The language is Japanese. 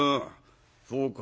そうか。